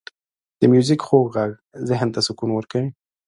• د میوزیک خوږ ږغ ذهن ته سکون ورکوي.